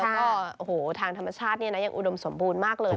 ก็ทางธรรมชาตินี่ยังอุดมสมบูรณ์มากเลย